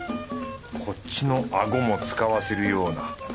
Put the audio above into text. こっちのアゴも使わせるような。